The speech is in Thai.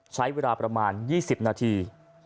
ใช้เวลาประมาณ๒๐นาที